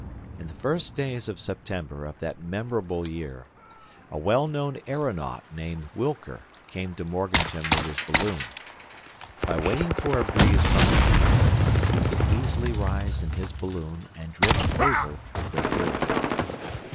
In the first days of September of that memorable year, a well known aeronaut named Wilker came to Morganton with his balloon. By waiting for a breeze from the east, he could easily rise in his balloon and drift over the Great Eyrie.